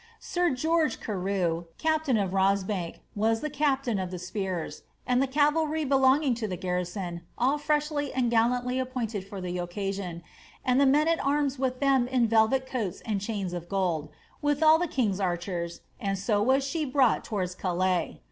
Sir George Carew, captain of Rosbank, with the captain of the spears, and the cavalry belonging to the garrison, all freshly and gallantly appointed for the occasion, and the men at^rms with them in velvet coats and chains of gold, with all the king^s archers, and so was she brought towards Calais.